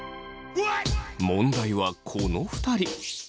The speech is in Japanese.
問題はこの２人。